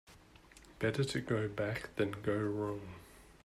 Better to go back than go wrong.